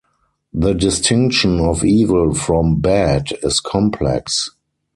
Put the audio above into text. The distinction of evil from 'bad' is complex.